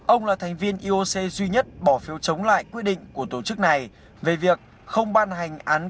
ông là thành viên ioc duy nhất bỏ phiếu chống lại quyết định của tổ chức này về việc không ban hành án